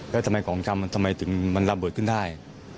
แล้วทำไมของจำมันทำไมถึงมันระเบิดขึ้นได้